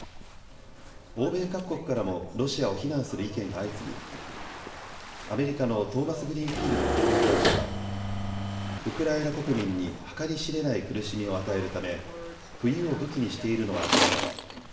欧米各国からもロシアを非難する意見が相次ぎアメリカのトーマスグリーンフィールド国連大使はウクライナ国民に計り知れない苦しみを与えるため冬を武器にしているのは明らかだ。